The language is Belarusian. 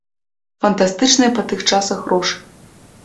Фантастычныя па тых часах грошы.